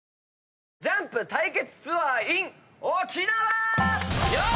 ＪＵＭＰ対決ツアーｉｎ沖縄！